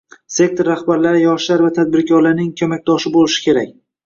Sektor rahbarlari yoshlar va tadbirkorlarning ko‘makdoshi bo‘lishi kerak